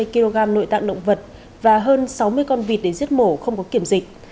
hai mươi kg nội tạng động vật và hơn sáu mươi con vịt để giết mổ không có kiểm dịch